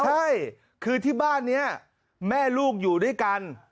ใช่คือที่บ้านนี้แม่ลูกอยู่ด้วยกัน